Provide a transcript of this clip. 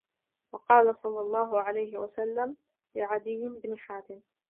وَقَالَ صَلَّى اللَّهُ عَلَيْهِ وَسَلَّمَ لِعَدِيِّ بْنِ حَاتِمٍ